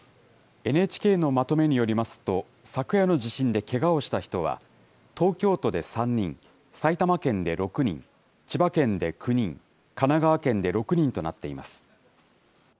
ＮＨＫのまとめによりますと、昨夜の地震でけがをした人は、東京都で３人、埼玉県で６人、千葉県で９人、神奈川県で６人となっています。